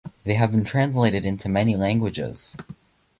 They have been translated into many languages.